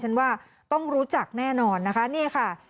ฉันว่าต้องรู้จักแน่นอนนะคะนี่ค่ะ